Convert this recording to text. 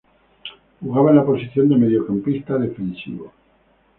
Jugaba en la posición de mediocampista defensivo.